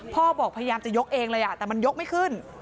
พ่อบอกพยายามจะยกเองเลยแต่มันยกไม่ขึ้น